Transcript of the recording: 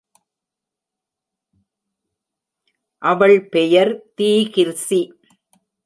அவள் பெயர் தீகிர்சி.